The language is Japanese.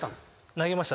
投げました。